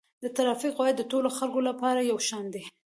د ترافیک قواعد د ټولو خلکو لپاره یو شان دي.